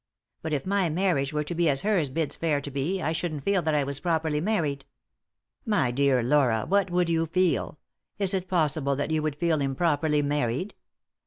" But if my marriage were to be as hers bids fair to be I shouldn't feel that I was properly married." " My dear Laura, what would you feel ? Is it possible that you would feel improperly married